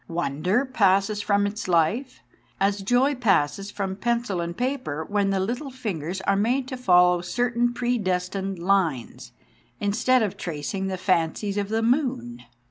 Wonder passes from its life, as joy passes from pencil and paper when the little fingers are made to follow certain predestined lines, instead of tracing the fancies of the moon.